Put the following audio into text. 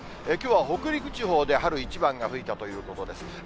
きょうは北陸地方で春一番が吹いたということです。